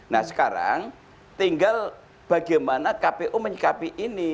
nah sekarang tinggal bagaimana kpu menyikapi ini